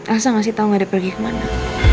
elsa ngasih tau gak ada pergi kemana